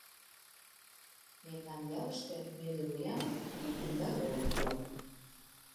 Мемнан ялыште мӧдывуян ик кумда олык уло.